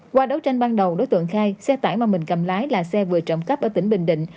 qua đấu tranh ban đầu đối tượng khai xe tải mà mình cầm lái là xe vừa trộm cắp ở tỉnh bình định